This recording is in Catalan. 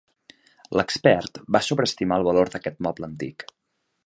L'expert va sobreestimar el valor d'aquest moble antic.